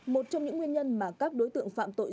một trong những nguyên nhân mà các đối tượng phạm tội